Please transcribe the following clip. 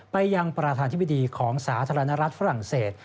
ไปยังประธานธิบดีของสาธารณรัฐฝรั่งเศส